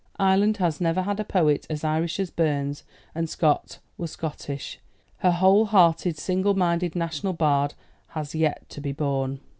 Ireland has never had a poet as Irish as Burns and Scott were Scottish. Her whole hearted, single minded national bard has yet to be born.